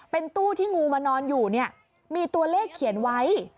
เป็นตู้ที่งูมานอนอยู่เนี่ยมีตัวเลขเขียนไว้